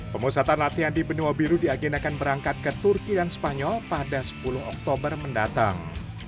pemusatan latihan di benua biru diagenakan berangkat ke turki dan spanyol pada sepuluh oktober mendatang